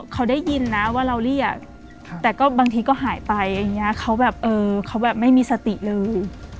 เขาได้ยินนะว่าเราเรียกแต่ก็บางทีก็หายไปอย่างนี้เขาแบบเออเขาแบบไม่มีสติเลย